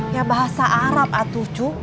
ya bahasa arab atuh cok